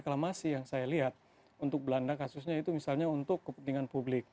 reklamasi yang saya lihat untuk belanda kasusnya itu misalnya untuk kepentingan publik